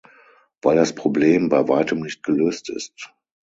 Weil das Problem bei weitem nicht gelöst ist.